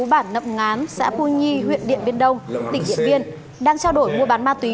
bản nậm ngán xã pu nhi huyện điện biên đông tỉnh điện biên đang trao đổi mua bán ma túy